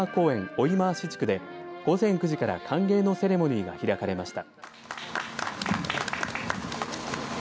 追廻地区で午前９時から歓迎のセレモニーが開かれました。